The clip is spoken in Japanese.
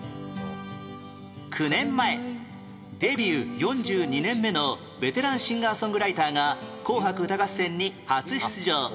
９年前デビュー４２年目のベテランシンガーソングライターが『紅白歌合戦』に初出場